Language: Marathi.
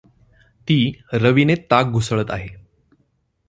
ती रवीने ताक घुसळत आहे.